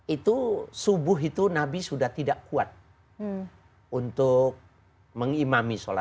itu subuh itu nabi sudah tidak kuat untuk mengimami sholat